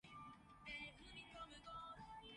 若果你冇錢你就界豬腩肉架啦